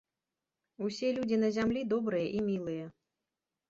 Усе людзі на зямлі добрыя і мілыя.